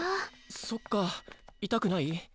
そっか痛くない？